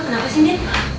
kenapa sih mirna